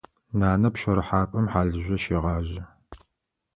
Нанэ пщэрыхьапӏэм хьалыжъо щегъажъэ.